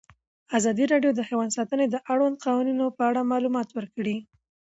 ازادي راډیو د حیوان ساتنه د اړونده قوانینو په اړه معلومات ورکړي.